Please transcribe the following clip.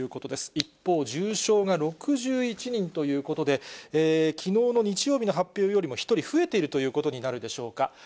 一方、重症が６１人ということで、きのうの日曜日の発表よりも１人増えているということになるでしょうか。